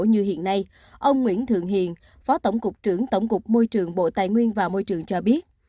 như hiện nay ông nguyễn thượng hiền phó tổng cục trưởng tổng cục môi trường bộ tài nguyên và môi trường cho biết